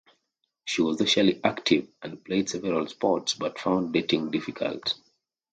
She was socially active and played several sports but found dating difficult.